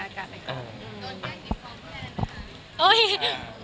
โดนแก่งได้ฟ้องทุกคนไหมคะ